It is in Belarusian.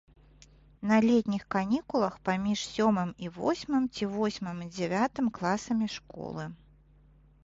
На летніх канікулах паміж сёмым і восьмым ці восьмым і дзявятым класамі школы.